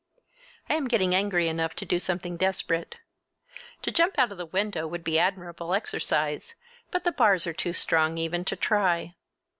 I am getting angry enough to do something desperate. To jump out of the window would be admirable exercise, but the bars are too strong even to try.